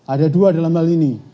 ada dua dalam hal ini